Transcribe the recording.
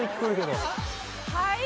はい？